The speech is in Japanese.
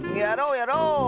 やろうやろう！